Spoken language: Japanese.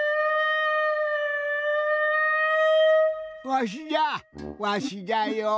わしじゃわしじゃよ。